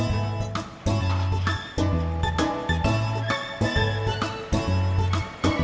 maaf pak bos